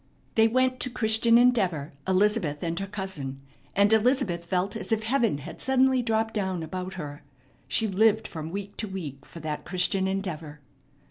They went to Christian Endeavor, Elizabeth and her cousin; and Elizabeth felt as if heaven had suddenly dropped down about her. She lived from week to week for that Christian Endeavor.